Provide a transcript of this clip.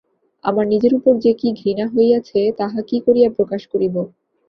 আমার নিজের উপর যে কী ঘৃণা হইয়াছে তাহা কী করিয়া প্রকাশ করিব।